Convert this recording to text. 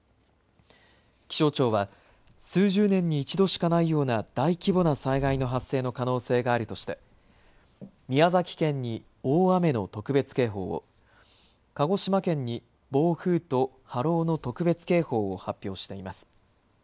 気象庁は数十年に一度しかないような大規模な災害の発生の可能性があるとして宮崎県に大雨の特別警報を、鹿児島県に暴風と波浪の特別警報を発表しています。